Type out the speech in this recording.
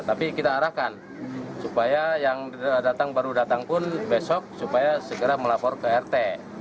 tapi kita arahkan supaya yang datang baru datang pun besok supaya segera melapor ke rt